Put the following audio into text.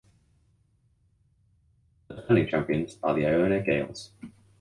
The defending champions are the Iona Gaels.